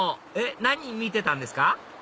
何見てたんですか？